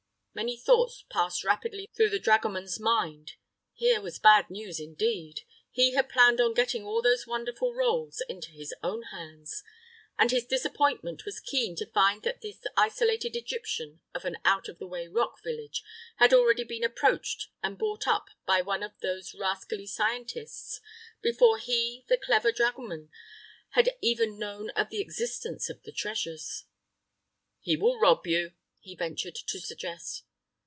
Many thoughts passed rapidly through the dragoman's mind. Here was bad news, indeed. He had planned on getting all those wonderful rolls into his own hands, and his disappointment was keen to find that this isolated Egyptian of an out of the way rock village had already been approached and bought up by one of those rascally scientists, before he, the clever dragoman, had even known of the existence of the treasures. "He will rob you," he ventured to suggest.